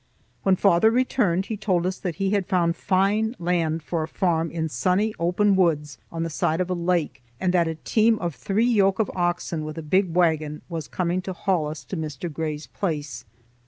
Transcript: When father returned he told us that he had found fine land for a farm in sunny open woods on the side of a lake, and that a team of three yoke of oxen with a big wagon was coming to haul us to Mr. Gray's place.